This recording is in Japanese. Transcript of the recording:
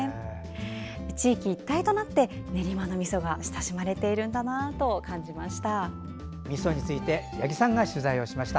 地域一体となって練馬のみそが親しまれているんだなと感じました。